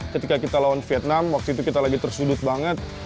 ketika kita lawan vietnam waktu itu kita lagi tersudut banget